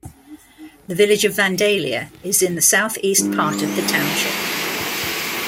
The village of Vandalia is in the southeast part of the township.